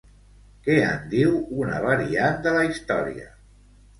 Què en diu una variant de la història?